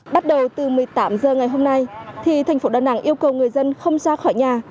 bắt đầu từ một mươi tám h ngày hôm nay thì thành phố đà nẵng yêu cầu người dân không ra khỏi nhà